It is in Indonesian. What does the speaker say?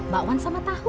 bakwan sama tahu